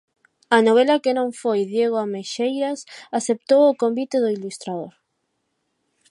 A novela que non foi Diego Ameixeiras aceptou o convite do ilustrador.